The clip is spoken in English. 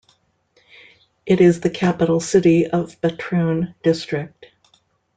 It is the capital city of Batroun District.